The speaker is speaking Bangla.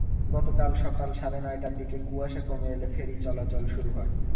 গতকাল সকাল সাড়ে নয়টার দিকে কুয়াশা কমে এলে ফেরি চলাচল শুরু হয়।